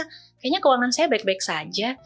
kayaknya keuangan saya baik baik saja